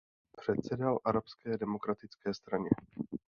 Předsedal Arabské demokratické straně.